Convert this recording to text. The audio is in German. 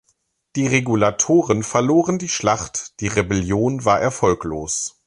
Die Regulatoren verloren die Schlacht, die Rebellion war erfolglos.